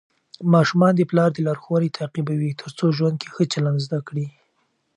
ماشومان د پلار لارښوونې تعقیبوي ترڅو ژوند کې ښه چلند زده کړي.